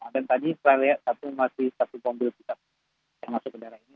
dan tadi selain lewat satu masih satu mobil kita yang masuk ke daerah ini